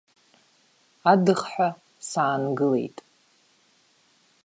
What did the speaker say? Адыхҳәа саангылеит.